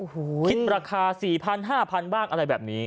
คิดราคา๔๐๐๕๐๐บ้างอะไรแบบนี้